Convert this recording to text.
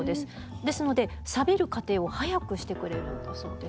ですのでサビる過程を速くしてくれるんだそうです。